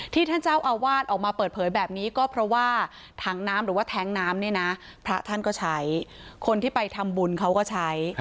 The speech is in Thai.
ท่านเจ้าอาวาสออกมาเปิดเผยแบบนี้ก็เพราะว่าถังน้ำหรือว่าแท้งน้ำเนี่ยนะพระท่านก็ใช้คนที่ไปทำบุญเขาก็ใช้